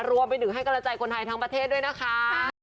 รวมไปถึงให้กำลังใจคนไทยทั้งประเทศด้วยนะคะ